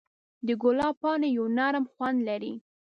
د ګلاب پاڼې یو نرم خوند لري.